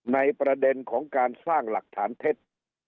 ในประเด็นของการสร้างหลักฐานเท็จ